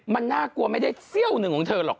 มันน่ากลัวไม่ได้เสี้ยวหนึ่งของเธอหรอก